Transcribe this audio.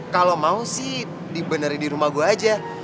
kalo mau sih dibenerin di rumah gue aja